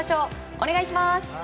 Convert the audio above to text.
お願いします！